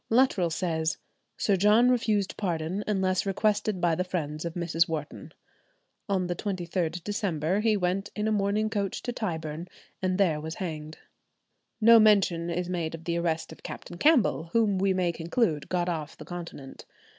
Luttrell says, "Sir John refused pardon unless requested by the friends of Mrs. Wharton. On the 23d December, he went in a mourning coach to Tyburn, and there was hanged." No mention is made of the arrest of Captain Campbell, whom we may conclude got off the continent.